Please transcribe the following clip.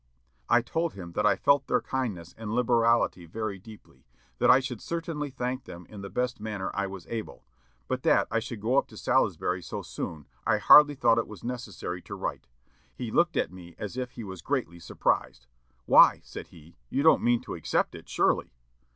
"I told him that I felt their kindness and liberality very deeply; that I should certainly thank them in the best manner I was able; but that, I should go up to Salisbury so soon, I hardly thought it was necessary to write. He looked at me as if he was greatly surprised. 'Why,' said he, 'you don't mean to accept it, surely!'